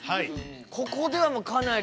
ここではかなり。